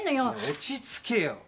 落ち着けよ。